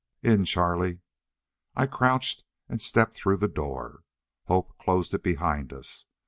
"In, Charlie!" I crouched and stepped through the door. Hope closed it behind us.